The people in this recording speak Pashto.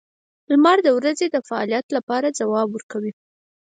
• لمر د ورځې د فعالیت لپاره ځواب ورکوي.